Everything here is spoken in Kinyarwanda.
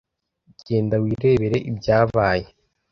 Genda wirebere ibyabaye.